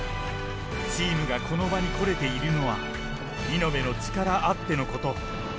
チームがこの場に来れているのは、見延の力あってのこと。